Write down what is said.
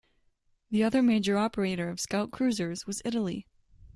The other major operator of scout cruisers was Italy.